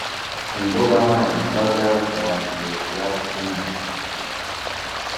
Imbuga nkoranya mbaga zangiriza byinshi